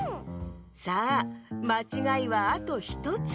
さあまちがいはあと１つ。